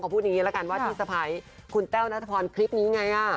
ว่าที่สะพายคุณแอ้วณธพรคลิปนี้ไง